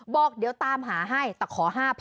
บอกเดี๋ยวตามหาให้แต่ขอ๕๐๐๐